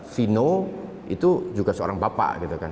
vino itu juga seorang bapak